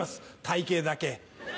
体形だけ。